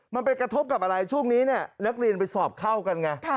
มันไปกระทบกับอะไรช่วงนี้เนี่ยนักเรียนไปสอบเข้ากันไง